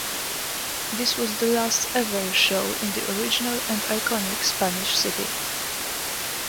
This was the last ever show in the original and iconic Spanish City.